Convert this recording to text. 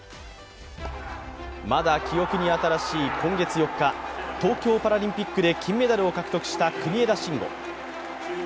まだ記憶に新しい今月４日、東京パラリンピックで金メダルを獲得した国枝慎吾。